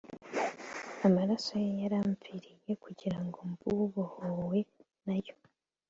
Amaraso ye yaramviriye, Kugira ngo mb' ubohowe na yo.